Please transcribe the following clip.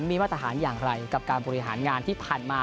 มีมาตรฐานอย่างไรกับการบริหารงานที่ผ่านมา